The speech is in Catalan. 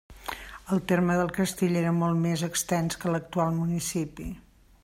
El terme del castell era molt més extens que l'actual municipi.